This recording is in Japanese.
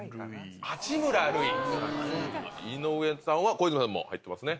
井上さんは小泉さんも入ってますね。